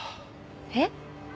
えっ？